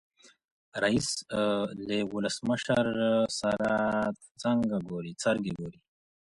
رییس له ولسمشر سره څنګه ګوري؟